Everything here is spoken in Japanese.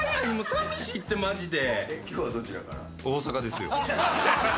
さみしいってマジで。